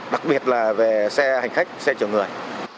đặc biệt là về xe hành khách xe chở người